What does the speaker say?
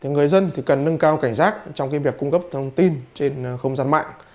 người dân cần nâng cao cảnh giác trong việc cung cấp thông tin trên không gian mạng